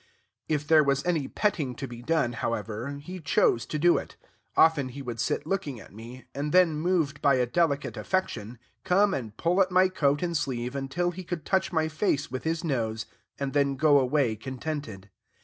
If there was any petting to be done, however, he chose to do it. Often he would sit looking at me, and then, moved by a delicate affection, come and pull at my coat and sleeve until he could touch my face with his nose, and then go away contented.